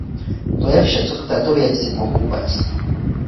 To je vše, co k této věci mohu uvést.